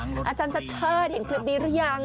น้ำทะลักษณ์กลางกรุงอาจารย์ชัดเห็นคลิปนี้หรือยัง